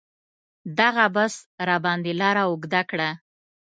دغه بس راباندې لاره اوږده کړه.